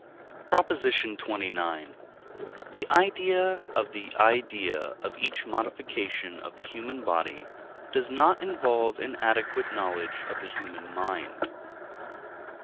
PROP. XXIX. The idea of the idea of each modification of the human body does not involve an adequate knowledge of the human mind.